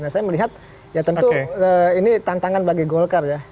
nah saya melihat ya tentu ini tantangan bagi golkar ya